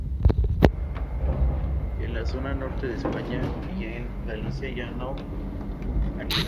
En la zona norte de España y en Galicia ya no anida.